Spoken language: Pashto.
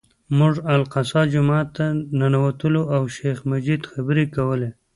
موږ الاقصی جومات ته ننوتلو او شیخ مجید خبرې کولې.